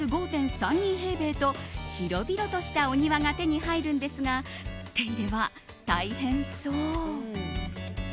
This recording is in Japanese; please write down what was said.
平米と広々としたお庭が手に入るんですが手入れは大変そう。